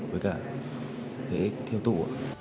với cả lấy thiêu tụ